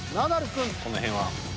この辺は。